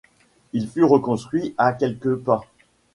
Il fut reconstruit à quelques pas.